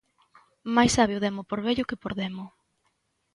Mais sabe o demo por vello que por demo